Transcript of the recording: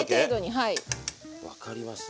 分かりました。